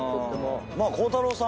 鋼太郎さん